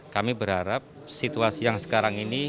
kami berharap situasi yang sekarang ini